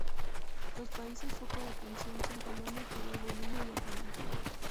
Los países foco de atención son Colombia, Ecuador, Bolivia y Guatemala.